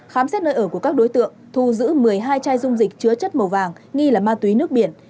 khám xét nơi ở của các đối tượng thu giữ một mươi hai chai dung dịch chứa chất màu vàng nghi là ma túy nước biển